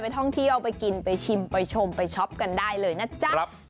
ท่องเที่ยวไปกินไปชิมไปชมไปช็อปกันได้เลยนะจ๊ะ